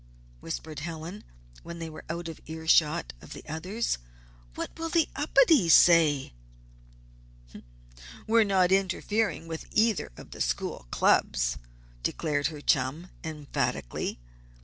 whispered Helen, when they were out of ear shot of the others. "What will the Upedes say?" "We're not interfering with either of the school clubs," declared her chum, emphatically.